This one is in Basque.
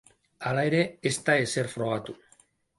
Hala ere, ez da ezer frogatu.